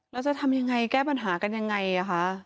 แล้วจะทำยังไงแก้ปัญหากันยังไงคะ